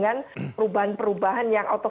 yang dengan perubahan perubahan yang lebih besar